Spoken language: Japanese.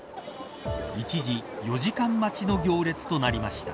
一時、４時間待ちの行列となりました。